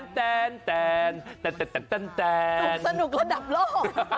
ผมสนุกระดำโลก